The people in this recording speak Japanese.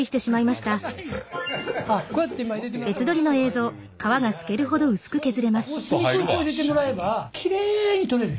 こうやって隅っこ入れてもらえばきれいに取れる。